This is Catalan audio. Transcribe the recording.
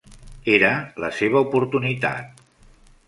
Era la seva oportunitat.